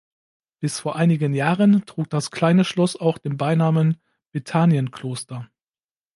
Bis vor einigen Jahren trug das kleine Schloss auch den Beinamen „Bethanien-Kloster“.